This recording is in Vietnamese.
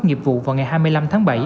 nghiệp vụ vào ngày hai mươi năm tháng bảy